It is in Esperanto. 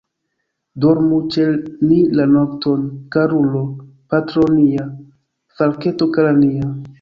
Dormu ĉe ni la nokton, karulo, patro nia, falketo kara nia.